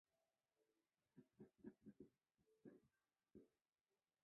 小穆瓦厄夫尔人口变化图示